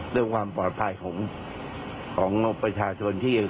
ด้วยความปลอดภัยของประชาชนที่เข้ามา